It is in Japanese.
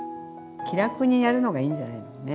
気楽にやるのがいいんじゃないねえ。